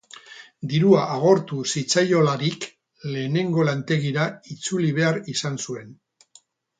Dirua agortu zitzaiolarik, lehengo lantegira itzuli behar izan zuen.